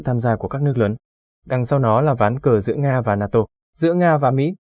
tham gia của các nước lớn đằng sau đó là ván cờ giữa nga và nato giữa nga và mỹ